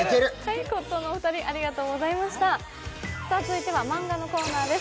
続いては漫画のコーナーです。